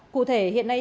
cụ thể hiện nay